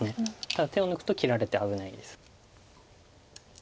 ただ手を抜くと切られて危ないです。